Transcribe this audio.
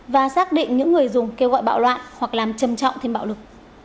và xác định những người dùng kêu gọi bạo loạn hoặc làm trầm trọng thêm bạo lực